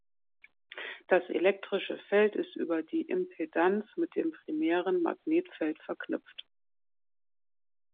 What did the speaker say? Das elektrische Feld ist über die Impedanz mit dem primären Magnetfeld verknüpft.